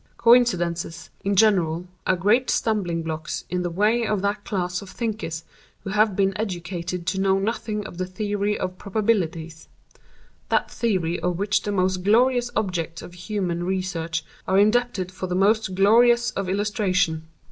Coincidences, in general, are great stumbling blocks in the way of that class of thinkers who have been educated to know nothing of the theory of probabilities—that theory to which the most glorious objects of human research are indebted for the most glorious of illustration.